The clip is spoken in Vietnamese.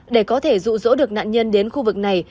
để có thể dụ dỗ được nạn nhân đến khu vực này